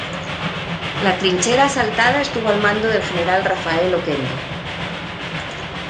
La trinchera asaltada estuvo al mando del general Rafael Oquendo.